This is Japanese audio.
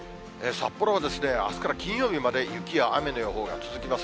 札幌はあすから金曜日まで、雪や雨の予報が続きます。